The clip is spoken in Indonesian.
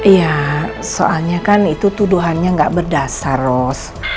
ya soalnya kan itu tuduhannya nggak berdasar ros